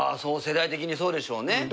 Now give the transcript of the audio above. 世代的にそうでしょうね。